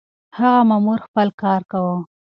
هغه مامور خپل کار کاوه.